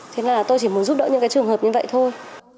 thế là tôi chỉ muốn giúp đỡ những cái trường hợp như vậy thôi